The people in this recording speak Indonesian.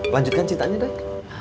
lanjutkan ceritanya dah